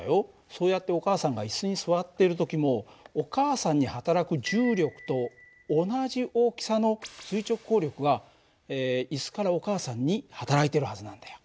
そうやってお母さんが椅子に座っている時もお母さんにはたらく重力と同じ大きさの垂直抗力が椅子からお母さんにはたらいてるはずなんだよ。